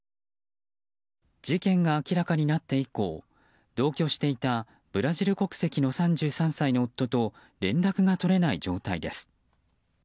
事件が明らかになって以降同居していたブラジル国籍の３３歳の夫と連絡が取れない状態です。